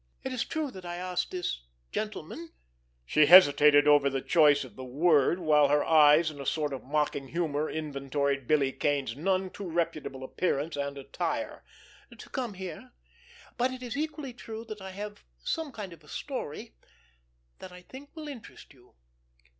"It is true that I asked this—gentleman"—she hesitated over the choice of the word, while her eyes in a sort of mocking humor inventoried Billy Kane's none too reputable appearance and attire—"to come here; but it is equally true that I have 'some kind of a story' that I think will interest you.